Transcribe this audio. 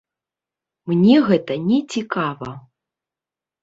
Мне гэта не цікава!